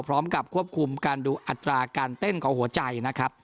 พร้อมกับควบคุมการดูอัตราการเต้นของหัวใจนะครับ